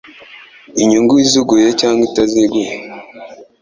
inyungu iziguye cyangwa itaziguye